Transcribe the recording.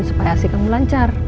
supaya asik kamu lancar